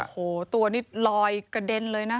โถตัวนี้ลอยกระเด็นเลยนะ